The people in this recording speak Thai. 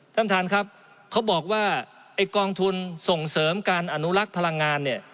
ท่านท่านครับเขาบอกว่ากองทุนส่งเสริมการอนุลักษณ์พลังงาน